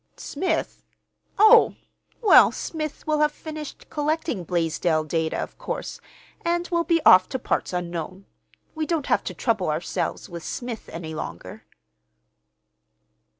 "Smith? Oh! Well, Smith will have finished collecting Blaisdell data, of course, and will be off to parts unknown. We don't have to trouble ourselves with Smith any longer."